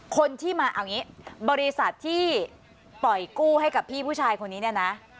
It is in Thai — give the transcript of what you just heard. คนที่มาบริษัทที่ปล่อยกู้ให้กับพี่ผู้ชายคนนี้เนี่ยนะ